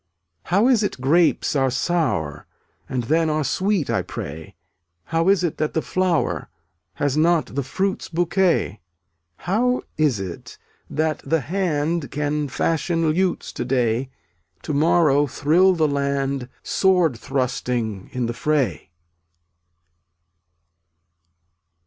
318 How is it grapes are sour, And then are sweet, I pray? How is it that the flower Has not the fruit's bouquet? How is it that the hand Can fashion lutes to day, To morrow thrill the land Sword thrusting in the fray?